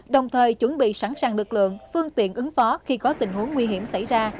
đồng thời chuẩn bị sẵn sàng lực lượng phương tiện ứng phó khi có tình huống nguy hiểm xảy ra